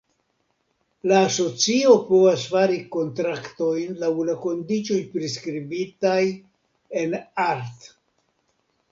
La Asocio povas fari kontraktojn, laŭ la kondiĉoj priskribitaj en art.